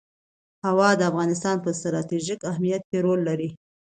هوا د افغانستان په ستراتیژیک اهمیت کې رول لري.